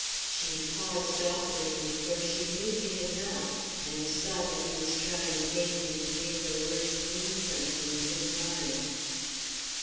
She paused awkwardly, for she knew he had not, and saw that he was trying vainly to make her words mean something in his mind.